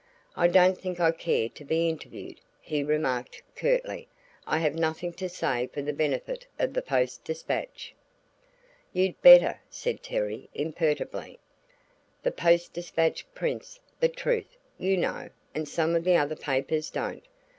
"I don't think I care to be interviewed," he remarked curtly. "I have nothing to say for the benefit of the Post Dispatch." "You'd better," said Terry, imperturbably. "The Post Dispatch prints the truth, you know, and some of the other papers don't.